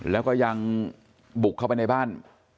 แล้วก็ยังบุกเข้าไปในบ้าน